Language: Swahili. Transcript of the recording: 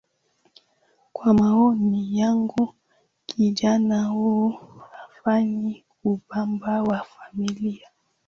Kwa maoni yangu, kijana huyu hafai kuwa baba wa familia.